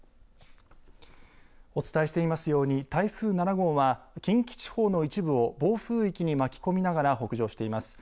お伝えしていますように台風７号は近畿地方の一部を暴風域に巻き込みながら北上しています。